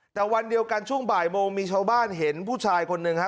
แต่วันเดียวกันช่วงบ่ายโมงมีชาวบ้านเห็นผู้ชายคนหนึ่งฮะ